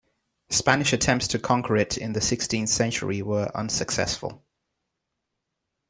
Spanish attempts to conquer it in the sixteenth century were unsuccessful.